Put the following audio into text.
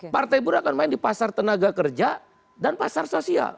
partai buruh akan main di pasar tenaga kerja dan pasar sosial